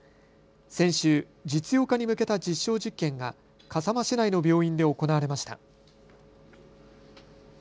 先週、実用化に向けた実証実験が笠間市内の病院で行われました。